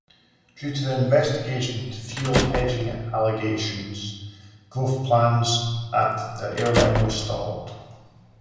Due to the investigation into fuel-hedging allegations, growth plans at the airline were stalled.